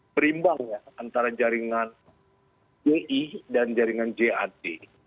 berimbang ya antara jaringan bi dan jaringan jad